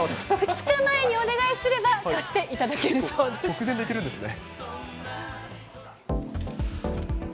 ２日前にお願いすれば、直前でいけるんですね。